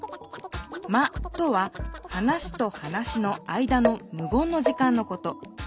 「間」とは話と話の間のむ言の時間のこと。